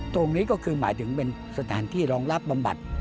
ตรงนี้ก็คือหมายถึงเป็นสถานที่รองรับบำบัด